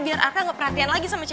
biar arka gak mau mencari mereka